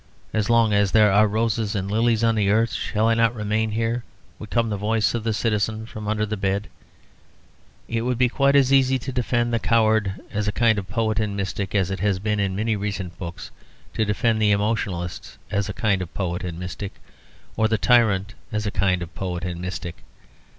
"As long as there are roses and lilies on the earth shall I not remain here?" would come the voice of the citizen from under the bed. It would be quite as easy to defend the coward as a kind of poet and mystic as it has been, in many recent books, to defend the emotionalist as a kind of poet and mystic, or the tyrant as a kind of poet and mystic.